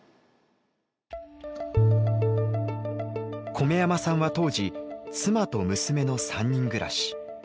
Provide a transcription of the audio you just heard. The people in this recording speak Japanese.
米山さんは当時妻と娘の３人暮らし。